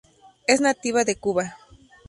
Es nativa de Cuba.